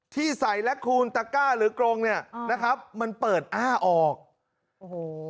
ที่ใส่และคูณตะก้าหรือกรงเนี่ยนะครับมันเปิดอ้าออกโอ้โห